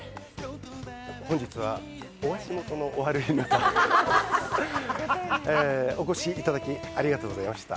本日はお足元のお悪い中、お越しいただきありがとうございました。